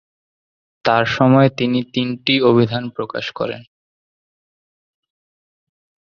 তার সময়ে তিনি তিনটি অভিধান প্রকাশ করেন।